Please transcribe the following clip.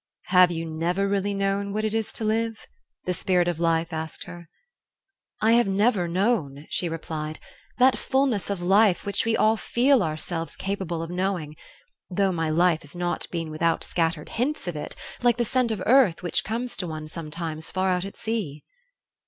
"Have you never really known what it is to live?" the Spirit of Life asked her. "I have never known," she replied, "that fulness of life which we all feel ourselves capable of knowing; though my life has not been without scattered hints of it, like the scent of earth which comes to one sometimes far out at sea."